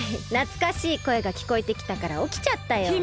なつかしいこえがきこえてきたからおきちゃったよ。